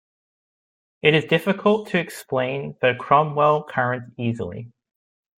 It is difficult to explain the Cromwell current easily.